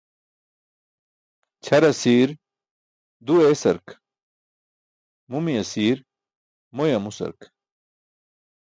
Ćʰar asir du eesark, mumi asiir moy amusark.